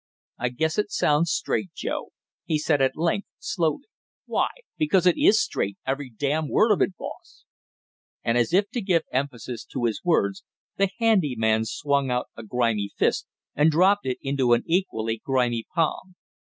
"I guess it sounds straight, Joe!" he said at length slowly. "Why? Because it is straight, every damn word of it, boss." And as if to give emphasis to his words the handy man swung out a grimy fist and dropped it into an equally grimy palm.